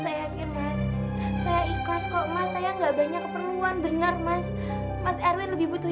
saya yakin mas saya ikhlas kok mas saya enggak banyak keperluan benar mas mas erwin lebih butuh